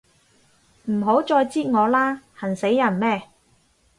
唔好再擳我啦，痕死人咩